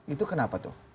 itu kenapa tuh